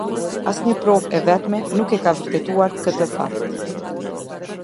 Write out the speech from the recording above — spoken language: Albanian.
Asnjë provë e vetme nuk e ka vërtetuar këtë fakt.